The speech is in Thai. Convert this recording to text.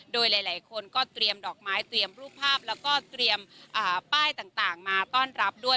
โดยหลายคนก็เตรียมดอกไม้เตรียมรูปภาพแล้วก็เตรียมป้ายต่างมาต้อนรับด้วย